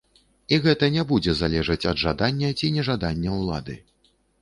І гэта не будзе залежаць ад жадання ці нежадання ўлады.